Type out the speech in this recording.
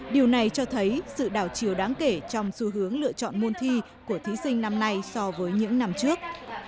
điều này cho thấy sự đảo chiều đáng kể trong xu hướng lựa chọn môn thi của thí sinh năm nay so với những năm trước